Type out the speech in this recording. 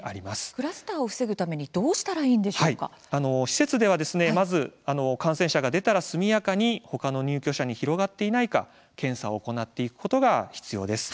クラスターを防ぐために施設ではまず感染者が出たら速やかに他の入居者に広がっていないか検査を行っていくことが必要です。